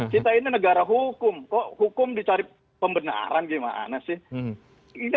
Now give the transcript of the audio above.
kita ini negara hukum kok hukum dicari pembenaran gimana sih